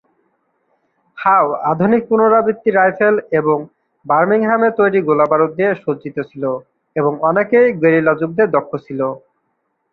হাও আধুনিক পুনরাবৃত্ত রাইফেল এবং বার্মিংহামে তৈরি গোলাবারুদ দিয়ে সজ্জিত ছিল এবং অনেকেই গেরিলা যুদ্ধে দক্ষ ছিল।